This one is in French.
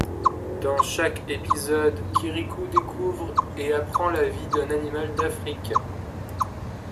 Dans chaque épisode, Kirikou découvre et apprend la vie d'un animal d'Afrique.